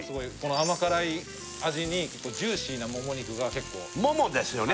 甘辛い味にジューシーなもも肉が結構ももですよね